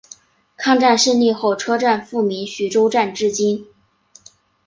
抗战胜利后车站复名徐州站至今。